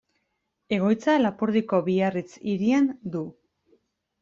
Egoitza Lapurdiko Biarritz hirian du.